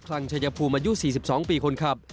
ลังชายภูมิอายุ๔๒ปีคนขับ